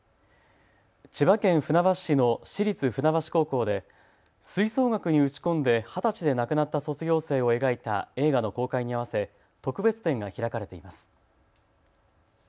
千葉県船橋市の市立船橋高校で吹奏楽に打ち込んで二十歳で亡くなった卒業生を描いた映画の公開に合わせ特別展が開かれています。